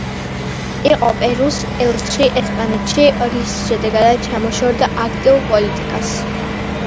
იყო პერუს ელჩი ესპანეთში, რის შემდეგაც ჩამოშორდა აქტიურ პოლიტიკას.